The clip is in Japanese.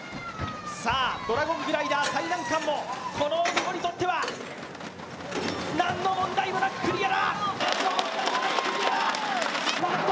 さあ、ドラゴングライダー最難関もこの男にとっては何の問題もなくクリアだ！